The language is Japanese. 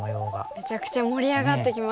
めちゃくちゃ盛り上がってきましたね。